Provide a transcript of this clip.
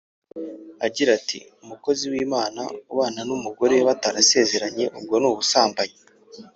agira ati «Umukozi w’Imana ubana n’umugore we batarasezeranye ubwo ni ubusambanyi